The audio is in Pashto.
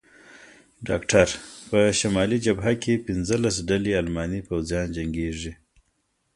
ډاکټر: په شمالي جبهه کې پنځلس ډلې الماني پوځیان جنګېږي.